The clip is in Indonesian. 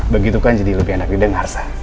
begitukan jadi lebih enak didengar sa